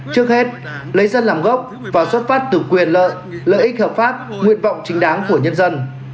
trước hết lấy dân làm gốc và xuất phát từ quyền lợi lợi ích hợp pháp nguyện vọng chính đáng của nhân dân